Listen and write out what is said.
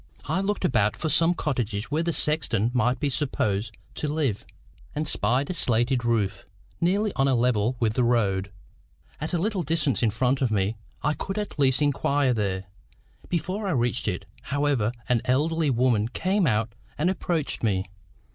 I looked about for some cottage where the sexton might be supposed to live, and spied a slated roof, nearly on a level with the road, at a little distance in front of me. I could at least inquire there. Before I reached it, however, an elderly woman came out and approached me.